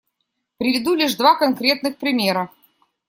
Приведу лишь два конкретных примера.